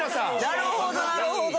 なるほどなるほど。